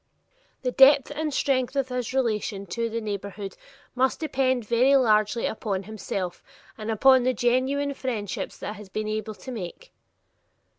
The depth and strength of his relation to the neighborhood must depend very largely upon himself and upon the genuine friendships he has been able to make.